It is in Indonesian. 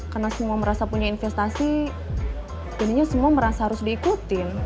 karena semua merasa punya investasi jadinya semua merasa harus diikutin